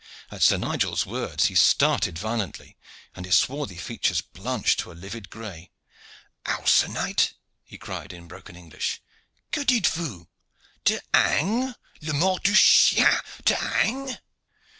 At Sir Nigel's words he started violently, and his swarthy features blanched to a livid gray. "How, Sir Knight?" he cried in broken English. "Que dites vous? To hang, le mort du chien! To hang!"